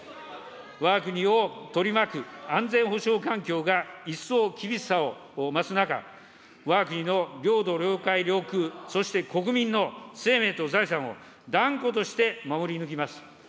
わが国を取り巻く安全保障環境が一層厳しさを増す中、わが国の領土、領海、領空、そして国民の生命と財産を、断固として守り抜きます。